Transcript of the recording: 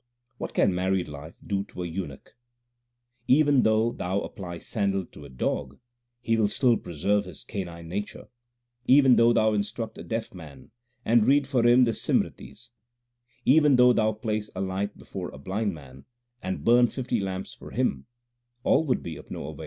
What can married life do to a eunuch ? Even though thou apply sandal to a dog, he will still preserve his canine nature : Even though thou instruct a deaf man, and read for him the Simritis ; Even though thou place a light before a blind man, and burn fifty lamps for him, all would be of no avail.